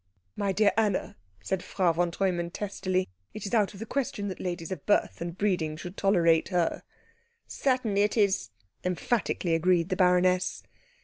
"My dear Anna," said Frau von Treumann testily, "it is out of the question that ladies of birth and breeding should tolerate her." "Certainly it is," emphatically agreed the baroness.